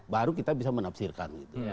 baru kita bisa menafsirkan